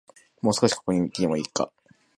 もう少し、ここにいてもいいか